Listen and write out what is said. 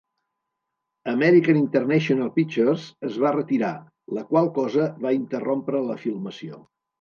American International Pictures es va retirar, la qual cosa va interrompre la filmació.